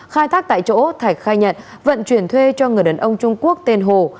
khai thác tại chỗ thạch khai nhận vận chuyển thuê cho người đàn ông trung quốc tên hồ